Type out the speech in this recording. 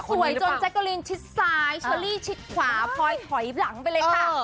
สวยจนเจ๊กกะรีนชิดซ้ายชัลลี่ชิดขวาพอยถอยหลังไปเลยค่ะ